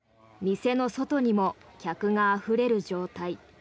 店の外にも客があふれる状態。